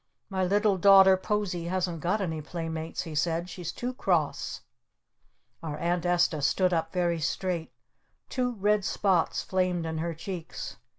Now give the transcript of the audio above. "My little daughter Posie hasn't got any playmates," he said. "She's too cross." Our Aunt Esta stood up very straight. Two red spots flamed in her cheeks.